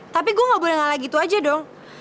tapi gue gak boleh ngalah gitu aja dong